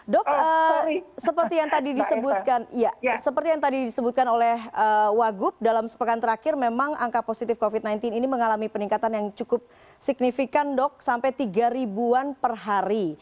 dok seperti yang tadi disebutkan seperti yang tadi disebutkan oleh wagub dalam sepekan terakhir memang angka positif covid sembilan belas ini mengalami peningkatan yang cukup signifikan dok sampai tiga ribuan per hari